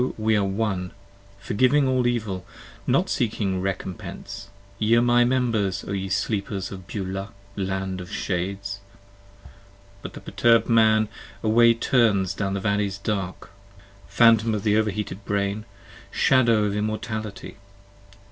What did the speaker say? we are One; forgiving all Evil; Not seeking recompense; Ye are my members O ye sleepers of Beulah, land of shades! But the perturbed Man away turns down the valleys dark; Phantom of the over heated brain! shadow of immortality!